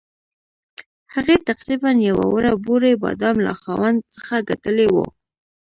هغې تقریباً یوه وړه بورۍ بادام له خاوند څخه ګټلي وو.